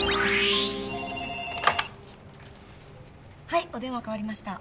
☎はいお電話代わりました。